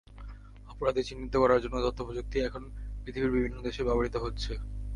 অপরাধী চিহ্নিত করার জন্য তথ্যপ্রযুক্তি এখন পৃথিবীর বিভিন্ন দেশে ব্যবহৃত হচ্ছে।